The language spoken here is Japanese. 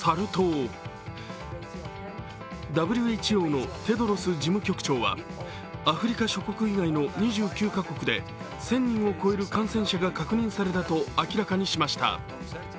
ＷＨＯのテドロス事務局長はアフリカ諸国以外の２９カ国で１０００人を超える感染者が確認されたと明らかにしました。